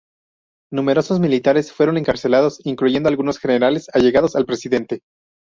Numerosos militares fueron encarcelados, incluyendo algunos generales allegados al presidente.